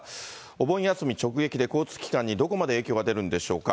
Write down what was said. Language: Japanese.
お盆休み直撃で、交通機関にどこまで影響が出るんでしょうか。